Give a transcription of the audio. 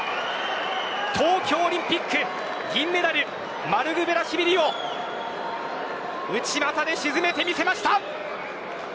東京オリンピック銀メダル、マルグヴェラシビリを内股で沈めてみせました。